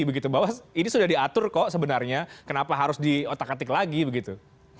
bahwa ini sudah diatur kok sebenarnya kenapa harus diotak atik lagi begitu